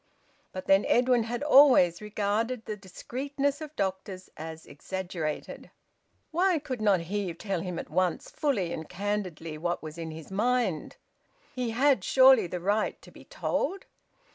But then Edwin had always regarded the discreetness of doctors as exaggerated. Why could not Heve tell him at once fully and candidly what was in his mind? He had surely the right to be told!